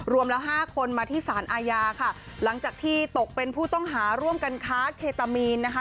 รวมแล้วห้าคนมาที่สารอาญาค่ะหลังจากที่ตกเป็นผู้ต้องหาร่วมกันค้าเคตามีนนะคะ